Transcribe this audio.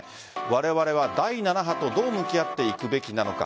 われわれは第７波とどう向き合っていくべきなのか。